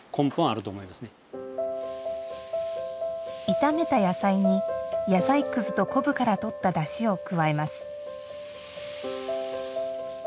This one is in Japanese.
炒めた野菜に、野菜くずと昆布からとっただしを加えます。